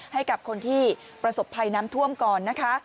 ให้กับคนที่ประสบภัยน้ำท่วมก่อนนะคะ